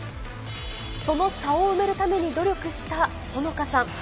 その差を埋めるために努力したホノカさん。